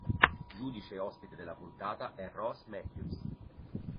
Giudice ospite della puntata è Ross Mathews.